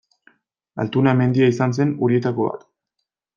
Altuna mendia izan zen horietako bat.